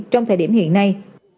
trong thời điểm hiện nay